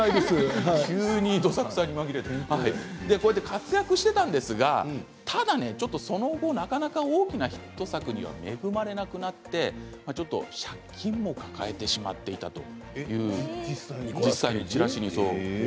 活躍していたんですがただその後なかなか大きなヒット作に恵まれなくなって借金を抱えてしまったという実際のことなんですね